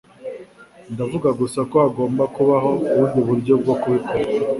Ndavuga gusa ko hagomba kubaho ubundi buryo bwo kubikora.